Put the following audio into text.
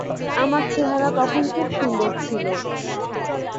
আমার চেহারা তখন খুব সুন্দর ছিল।